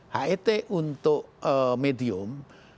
het untuk medium